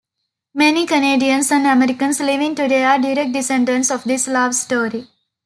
Many Canadians and Americans living today are direct descendants of this love story.